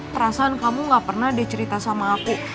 perasaan kamu gak pernah dicerita sama aku